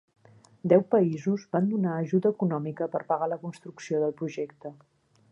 Deu països van donar ajuda econòmica per pagar la construcció del projecte.